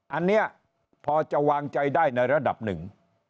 อันนี้พอจะวางใจได้ในระดับหนึ่ง